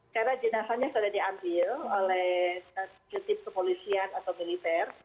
karena jenazahnya sudah diambil oleh kutip kepolisian atau militer